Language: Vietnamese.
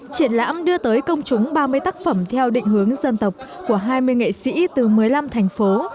triển lãm đưa tới công chúng ba mươi tác phẩm theo định hướng dân tộc của hai mươi nghệ sĩ từ một mươi năm thành phố